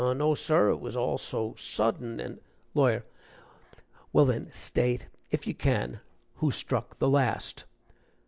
"No, sir, it was all so sudden, and " LAWYER. "Well, then, state, if you can, who struck the last."